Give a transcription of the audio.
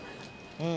うん！